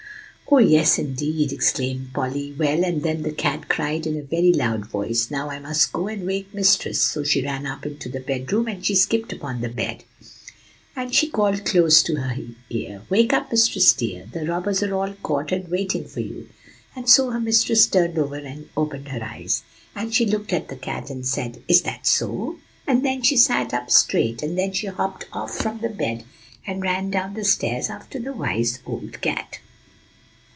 "Oh, yes, indeed!" exclaimed Polly. "Well, and then the cat cried in a very loud voice, 'Now I must go and wake mistress.' So she ran up into the bedroom, and she skipped upon the bed, and she called close to her ear, 'Wake up, mistress dear, the robbers are all caught, and waiting for you.' And so her mistress turned over, and opened her eyes; and she looked at the cat, and said, 'Is that so?' And then she sat up straight; and then she hopped off from the bed, and ran down the stairs after the wise old cat.